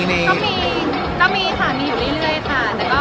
ต้องมีค่ะไม่อยู่เรื่อยค่ะ